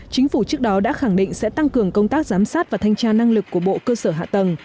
chính phủ trước đó đã khẳng định sẽ tăng cường công tác giám sát và thanh tra năng lực của bộ cơ sở hạ tầng